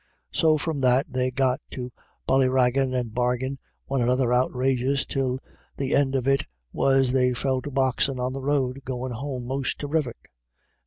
So from that they got to bully raggin' and bargin' one another outrageous, till the end of it was they fell to boxin' on the roaa goin' home most terrific.